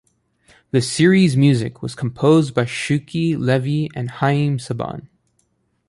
The series' music was composed by Shuki Levy and Haim Saban.